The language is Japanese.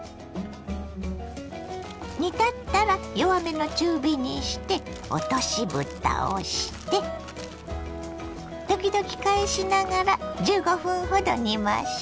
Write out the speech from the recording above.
煮立ったら弱めの中火にして落としぶたをして時々返しながら１５分ほど煮ましょ。